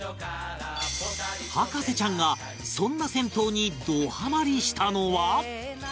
博士ちゃんがそんな銭湯にどハマりしたのは